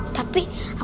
aku mau masuk